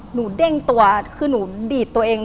เด้งตัวคือหนูดีดตัวเอง